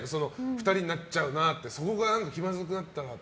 ２人になっちゃうなってそこが気まずくなったラッテ。